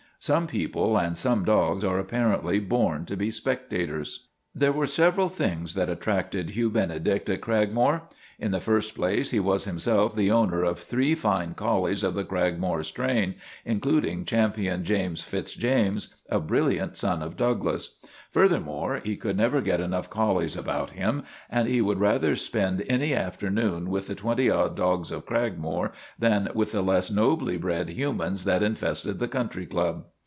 Some people and some dogs are apparently born to be spectators. There were several things that attracted Hugh Benedict at Cragmore. In the first place he was himself the owner of three fine collies of the Crag more strain, including Champion James Fitz James, a brilliant son of Douglas. Furthermore, he could never get enough collies about him and he would rather spend any afternoon with the twenty odd dogs of Cragmore than with the less nobly bred humans that infested the Country Club.